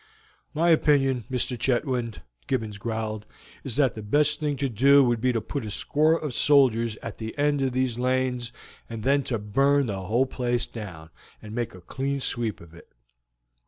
"My opinion. Mr. Chetwynd," Gibbons growled, "is that the best thing to do would be to put a score of soldiers at the end of all these lanes, and then to burn the whole place down, and make a clean sweep of it.